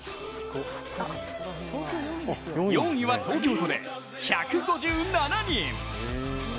４位は東京都で１５７人。